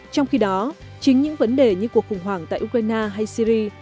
trong khi đó chính những vấn đề như cuộc khủng hoảng tại ukraine hay syri